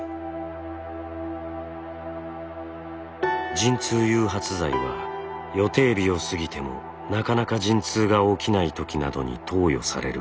陣痛誘発剤は予定日を過ぎてもなかなか陣痛が起きないときなどに投与される薬です。